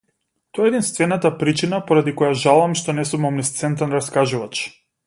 Тоа е единствената причина поради која жалам што не сум омнисцентен раскажувач.